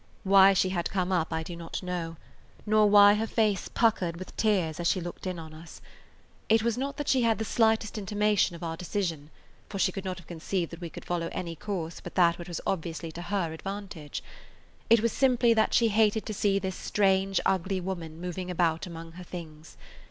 Why she had come up I do not know, nor why her face puckered with tears as she looked [Page 178] in on us. It was not that she had the slightest intimation of our decision, for she could not have conceived that we could follow any course but that which was obviously to her advantage. It was simply that she hated to see this strange, ugly woman moving about among her things.